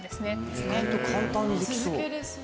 意外と簡単にできそう。